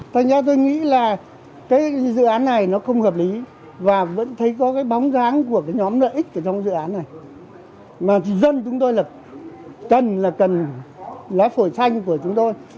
công viên cầu giấy nơi được ví là lá phổi xanh của phường và của cả phía tây thành phố hà nội